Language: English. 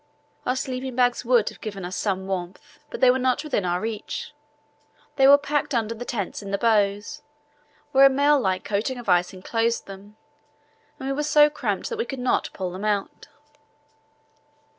Our sleeping bags would have given us some warmth, but they were not within our reach. They were packed under the tents in the bows, where a mail like coating of ice enclosed them, and we were so cramped that we could not pull them out.